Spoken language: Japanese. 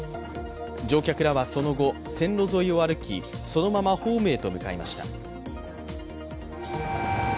乗客らはその後、線路沿いを歩きそのままホームへと向かいました。